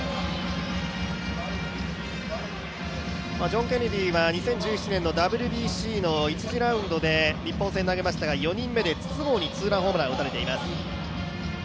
ジョン・ケネディは、２０１７年のＷＢＣの１次ラウンドで日本戦投げましたが、４人目で筒香にツーランホームラン打たれています。